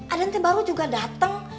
adante baru juga datang